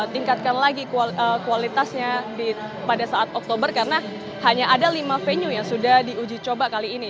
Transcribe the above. tingkatkan lagi kualitasnya pada saat oktober karena hanya ada lima venue yang sudah diuji coba kali ini